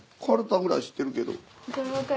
かるたくらい知ってるけど。